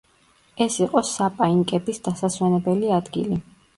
ეს იყო საპა ინკების დასასვენებელი ადგილი.